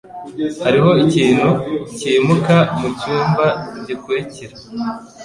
Hariho ikintu cyimuka mucyumba gikurikira.